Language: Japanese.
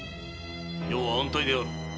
余は安泰である。